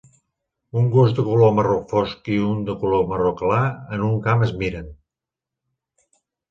Un gos de color marró fosc i un de color marró clar en un camp es miren.